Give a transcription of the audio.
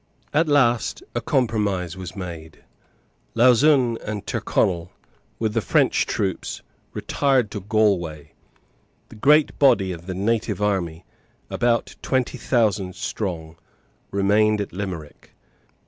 At last a compromise was made. Lauzun and Tyrconnel, with the French troops, retired to Galway. The great body of the native army, about twenty thousand strong, remained at Limerick.